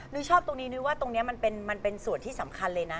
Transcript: ชอบตรงนี้นุ้ยว่าตรงนี้มันเป็นส่วนที่สำคัญเลยนะ